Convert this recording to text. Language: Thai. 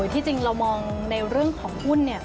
ที่จริงเรามองในเรื่องของหุ้น